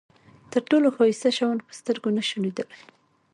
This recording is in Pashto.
تر ټولو ښایسته شیان په سترګو نشو لیدلای.